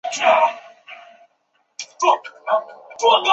类似片名一览